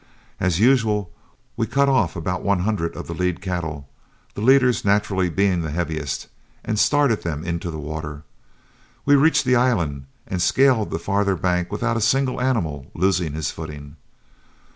As usual, we cut off about one hundred of the lead cattle, the leaders naturally being the heaviest, and started them into the water. We reached the island and scaled the farther bank without a single animal losing his footing.